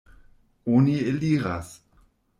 Oni eliras.